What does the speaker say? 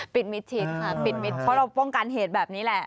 มิดชิดค่ะปิดมิตรเพราะเราป้องกันเหตุแบบนี้แหละ